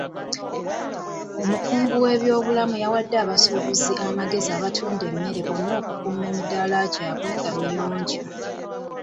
Omukungu w'ebyobulamu yawadde abasuubuzi amagezi abatunda emmere bonna okukuuma emidaala gyabwe nga miyonjo.